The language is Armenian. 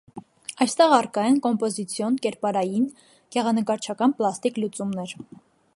Այստեղ առկա են կոմպոզիցիոն, կերպարային, գեղանկարչական պլաստիկ լուծումներ։